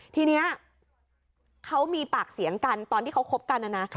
ทีนี้เขามีปากเสียงกันตอนที่เขาคบกันนะนะ